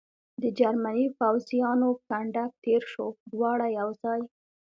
د جرمني پوځیانو کنډک تېر شو، دواړه یو ځای.